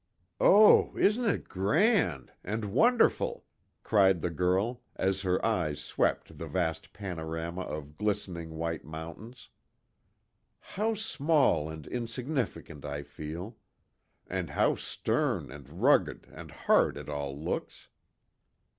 "Oh, isn't it grand! And wonderful!" cried the girl as her eyes swept the vast panorama of glistening white mountains. "How small and insignificant I feel! And how stern, and rugged, and hard it all looks."